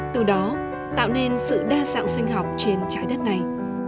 từ đó tạo nên sự đa dạng sinh học trên trái đất này